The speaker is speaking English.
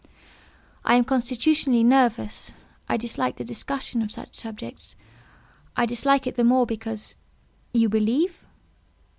"I am constitutionally nervous. I dislike the discussion of such subjects. I dislike it the more because—" "You believe?"